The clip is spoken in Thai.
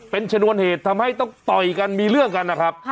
เป็นชนวนเหตุทำให้ต้องต่อยกันมีเรื่องกันนะครับ